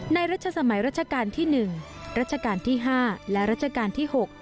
รัชสมัยรัชกาลที่๑รัชกาลที่๕และรัชกาลที่๖